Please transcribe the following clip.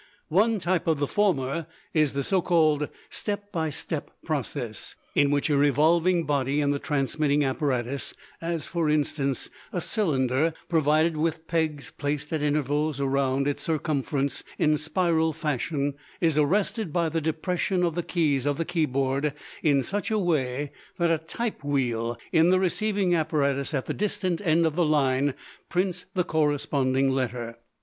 One type of the former is the so called step by step process, in which a revolving body in the transmitting apparatus, as, for instance, a cylinder provided with pegs placed at intervals around its circumference in spiral fashion, is arrested by the depression of the keys of the keyboard in such a way that a type wheel in the receiving apparatus at the distant end of the line prints the corresponding letter.